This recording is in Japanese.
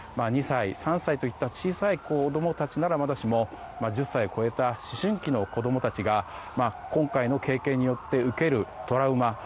２歳、３歳といった小さい子供たちならまだしも１０歳を超えた思春期の子供たちが今回の経験によって受けるトラウマ